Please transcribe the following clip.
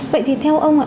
vậy thì theo ông ạ